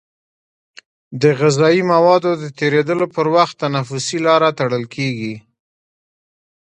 د غذایي موادو د تیرېدلو پر مهال تنفسي لاره تړل کېږي.